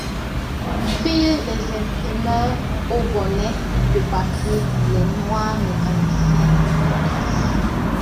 Firent les imprimeurs aux bonnets de papier, les noirs mécaniciens des presses.